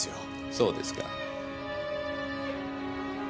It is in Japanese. そうですか。